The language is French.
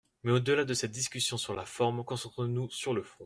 Mais, au-delà de cette discussion sur la forme, concentrons-nous sur le fond.